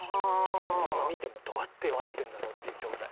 今、見てもどうやって合わせているんだろう？っていう状態。